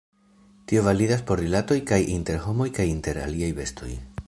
Tio validas por rilatoj kaj inter homoj kaj inter aliaj bestoj.